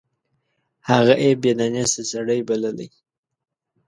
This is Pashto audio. هغه یې بې دانشه سړی بللی.